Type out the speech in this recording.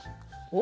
お？